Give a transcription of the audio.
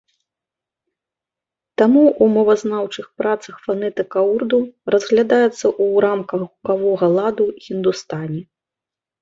Таму ў мовазнаўчых працах фанетыка ўрду разглядаецца ў рамках гукавога ладу хіндустані.